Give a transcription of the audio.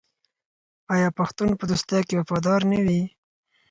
آیا پښتون په دوستۍ کې وفادار نه وي؟